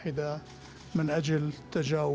perbuatan yang berpengaruh